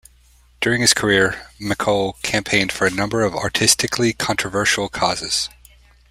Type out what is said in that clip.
During his career, MacColl campaigned for a number of artistically controversial causes.